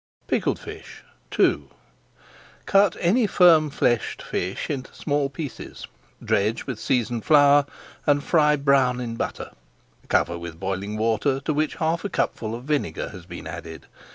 PICKLED FISH II Cut any firm fleshed fish into small pieces, dredge with seasoned flour, and fry brown in butter. Cover with boiling water to which half a cupful of vinegar has been added.